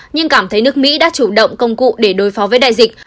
nhưng cảm thấy nước mỹ đã chủ động công cụ để đối phó với đại dịch